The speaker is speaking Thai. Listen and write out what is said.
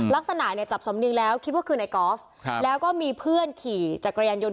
ลักษณะเนี่ยจับสำนิงแล้วคิดว่าคือในกอล์ฟแล้วก็มีเพื่อนขี่จักรยานยนต